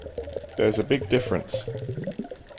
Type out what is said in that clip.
There's a big difference.